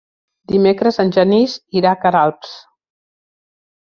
Dimecres en Genís irà a Queralbs.